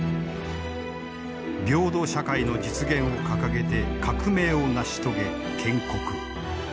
平等社会の実現を掲げて革命を成し遂げ建国。